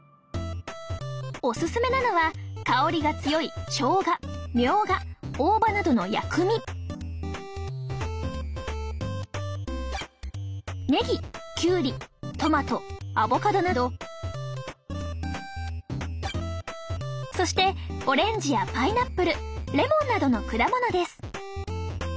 オススメなのは香りが強いしょうがみょうが大葉などの薬味ねぎきゅうりトマトアボカドなどそしてオレンジやパイナップルレモンなどの果物です